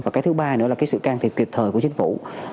và cái thứ ba nữa là cái sự can thiệp kịp thời của chính phủ